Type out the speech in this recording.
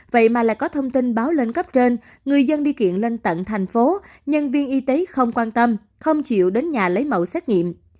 vậy mà lại có thông tin báo lên cấp trên người dân đi kiện lên tận thành phố nhân viên y tế không quan tâm không chịu đến nhà lấy mẫu xét nghiệm